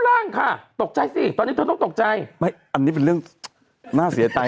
ร่างค่ะตกใจสิตอนนี้เธอต้องตกใจไม่อันนี้เป็นเรื่องน่าเสียใจ